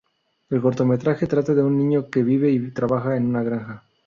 El cortometraje trata de un niño que vive y trabaja en una granja.